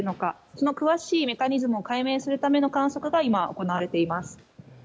その詳しいメカニズムを解明するための観測が今、行われています。